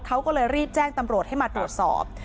เขาก็เลยรีบแจ้งตำรวจให้มาตรวจสอบ